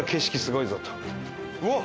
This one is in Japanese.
うわっ！